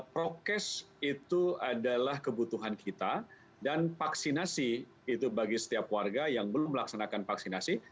prokes itu adalah kebutuhan kita dan vaksinasi itu bagi setiap warga yang belum melaksanakan vaksinasi